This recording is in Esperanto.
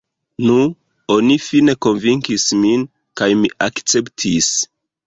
Nu, oni fine konvinkis min, kaj mi akceptis.